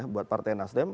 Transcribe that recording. buat partai nas tim